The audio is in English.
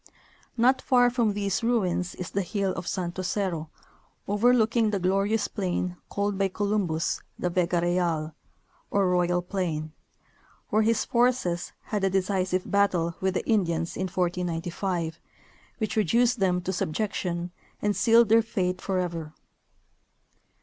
Not far from these ruins is the hill of Santo Cerro, overlooking the glorious plain called by Columbus the Vega Real, or Royal Plaiii, where his forces had a decisive battle with the Indians in 1495, Avhich reduced them to subjection and sealed their fate forever.